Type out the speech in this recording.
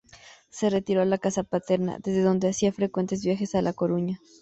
Se retiró a la casa paterna, desde donde hacía frecuentes viajes a La Coruña.